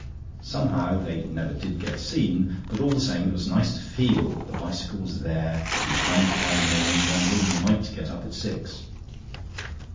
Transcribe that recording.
Somehow they never did get seen, but all the same it was nice to feel that the bicycle was there, and that one fine morning one really might get up at six.